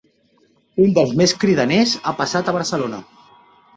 Un dels més cridaners ha passat a Barcelona.